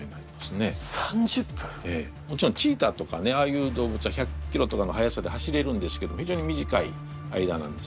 ええもちろんチーターとかねああいう動物は１００キロとかの速さで走れるんですけどひじょうに短い間なんです。